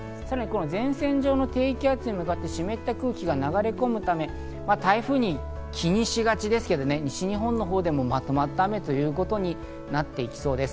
前線上の低気圧に向かって湿った空気が流れ込むため台風を気にしがちですが、西日本のほうでも、まとまった雨ということになっていきそうです。